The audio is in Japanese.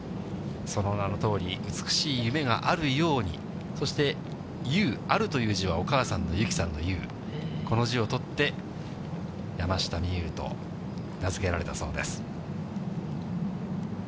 その名のとおり、美しい夢が有るように、そして、有、あるという字はお母さんの有貴さんの有、この字を取って、山下美夢有と名付けられたそうです。